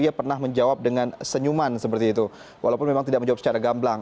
dia pernah menjawab dengan senyuman seperti itu walaupun memang tidak menjawab secara gamblang